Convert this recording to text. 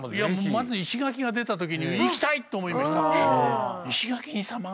まず石垣が出た時に「行きたい！」と思いました。